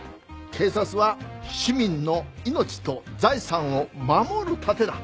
警察は市民の命と財産を守る盾だ。